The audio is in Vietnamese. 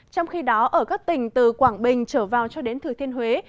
trong khi đó ở các tỉnh từ quảng bình trở vào cho đến thừa thiên huế